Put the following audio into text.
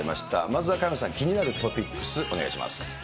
まずは萱野さん、気になるトピックス、お願いします。